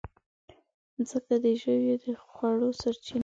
مځکه د ژويو د خوړو سرچینه ده.